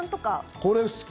これ好き。